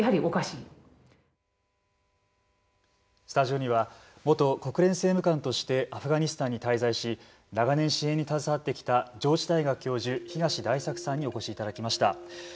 スタジオには元国連政務官としてアフガニスタンに滞在し長年支援についてきた上智大学教授東大作さんにお越しいただきました。